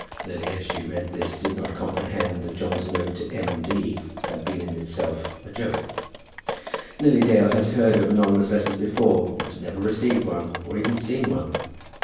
Lily, as she read this, did not comprehend that John's note to M. D. had been in itself a joke. Lily Dale had heard of anonymous letters before, but had never received one, or even seen one.